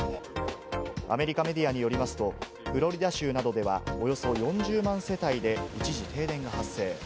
アメリカメディアによりますと、フロリダ州などでは、およそ４０万世帯で一時停電が発生。